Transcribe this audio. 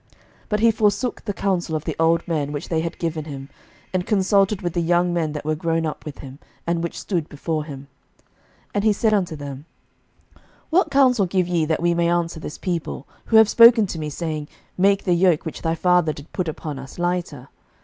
11:012:008 But he forsook the counsel of the old men, which they had given him, and consulted with the young men that were grown up with him, and which stood before him: 11:012:009 And he said unto them, What counsel give ye that we may answer this people, who have spoken to me, saying, Make the yoke which thy father did put upon us lighter?